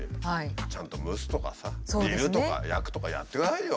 ちゃんと蒸すとかさ煮るとか焼くとかやってくださいよ